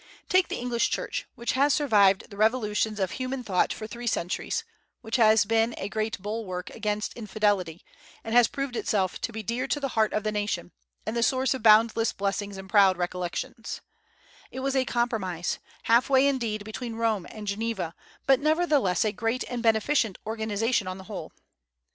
Take the English Church, which has survived the revolutions of human thought for three centuries, which has been a great bulwark against infidelity, and has proved itself to be dear to the heart of the nation, and the source of boundless blessings and proud recollections, it was a compromise, half way indeed between Rome and Geneva, but nevertheless a great and beneficent organization on the whole.